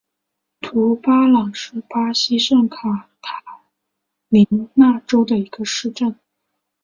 图巴朗是巴西圣卡塔琳娜州的一个市镇。